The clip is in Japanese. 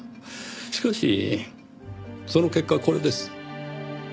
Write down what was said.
しかしその結果これです。